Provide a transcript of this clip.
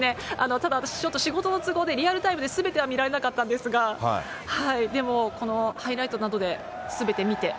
ただ、私、ちょっと仕事の都合でリアルタイムですべては見られなかったんですが、でもこのハイライトなどで、すべて見て。